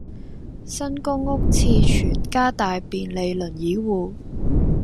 新公屋廁廚加大便利輪椅戶